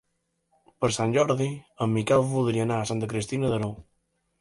Per Sant Jordi en Miquel voldria anar a Santa Cristina d'Aro.